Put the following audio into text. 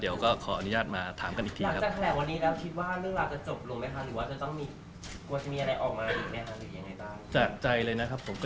เดี๋ยวก็ขออนุญาตมาถามกันอีกทีนะครับ